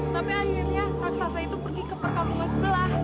tapi akhirnya raksasa itu pergi ke perkampungan sebelah